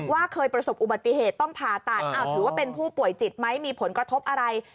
เคยประสบอุบัติเหตุต้องผ่าตัดถือว่าเป็นผู้ป่วยจิตไหมมีผลกระทบอะไร